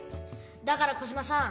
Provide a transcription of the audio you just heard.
だからコジマさん